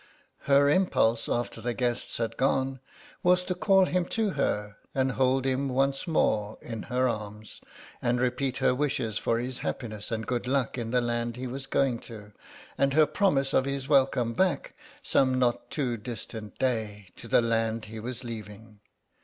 Her impulse, after the guests had gone, was to call him to her and hold him once more in her arms, and repeat her wishes for his happiness and good luck in the land he was going to, and her promise of his welcome back, some not too distant day, to the land he was leaving.